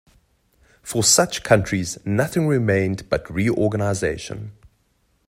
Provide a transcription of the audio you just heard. For such countries nothing remained but reorganization.